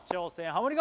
ハモリ